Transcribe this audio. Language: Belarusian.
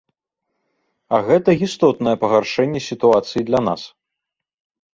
А гэта істотнае пагаршэнне сітуацыі для нас.